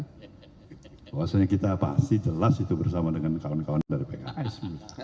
bahwasannya kita pasti jelas itu bersama dengan kawan kawan dari pks